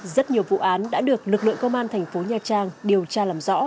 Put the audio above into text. rất nhiều vụ án đã được lực lượng công an thành phố nha trang điều tra làm rõ